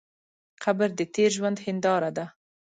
قبر د تېر ژوند هنداره ده.